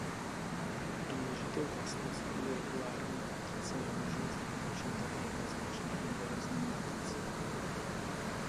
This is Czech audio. Důležitou vlastností regulární matice je možnost vypočítat jednoznačně inverzní matici.